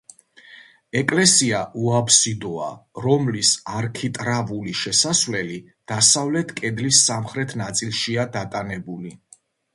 ეკლესია უაბსიდოა, რომლის არქიტრავული შესასვლელი დასავლეთ კედლის სამხრეთ ნაწილშია დატანებული.